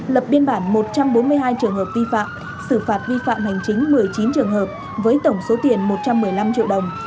lập biên bản một trăm bốn mươi hai trường hợp vi phạm xử phạt vi phạm hành chính một mươi chín trường hợp với tổng số tiền một trăm một mươi năm triệu đồng